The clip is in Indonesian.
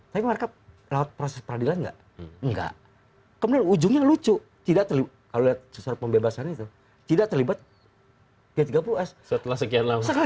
tapi mereka lewat proses peradilan nggak nggak kemudian ujungnya lucu kalau lihat surat pembebasannya itu tidak terlibat g tiga puluh s setelah sekian lama